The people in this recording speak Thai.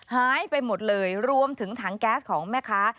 หายไปหมดเลยรวมถึงถังแก๊สของแม่ค้า